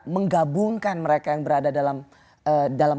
menggabungkan mereka yang berada dalam